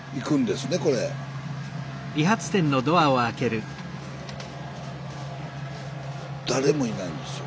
スタジオ誰もいないんですよ。